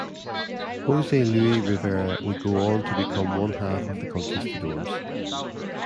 Jose Luis Rivera would go on to become one half of the Conquistadors.